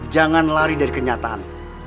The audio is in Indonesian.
jangan lari dari kenyataan